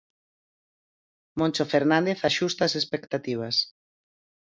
Moncho Fernández axusta as expectativas.